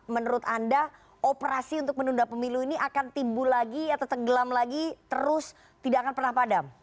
menurut anda operasi untuk menunda pemilu ini akan timbul lagi atau tenggelam lagi terus tidak akan pernah padam